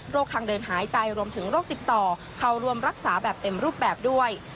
ทางเดินหายใจรวมถึงโรคติดต่อเข้าร่วมรักษาแบบเต็มรูปแบบด้วย